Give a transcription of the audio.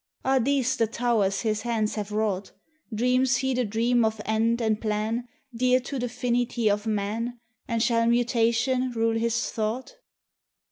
Are these the towers His hands have wrought? Dreams He the dream of end and plan Dear to the finity of man, And shall mutation rule His thought?